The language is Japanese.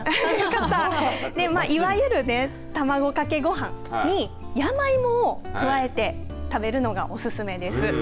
いわゆる卵かけご飯に山芋を加えて食べるのがおすすめです。